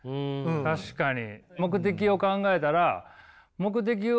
確かに。